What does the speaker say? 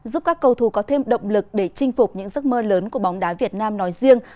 giúp các cầu thù có thêm động lực để chinh phục những giấc mơ lớn của bóng đá việt nam nói riêng